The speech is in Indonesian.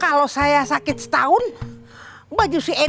kalau latif saya gak kalau siapa tahu dia menemukan saya